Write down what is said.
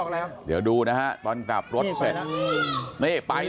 เดี่ยวดูนะครับตอนกลับรถเสร็จ